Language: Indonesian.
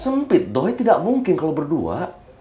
sempit doh tidak mungkin kalau berdua